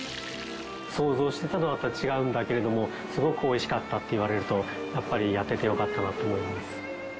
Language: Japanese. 想像してたものとは違うんだけれどもすごくおいしかったって言われるとやっぱりやっててよかったなと思います。